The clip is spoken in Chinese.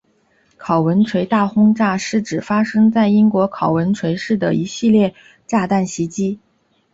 考文垂大轰炸是指发生在英国考文垂市的一系列炸弹袭击。